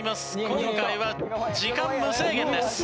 今回は時間無制限です。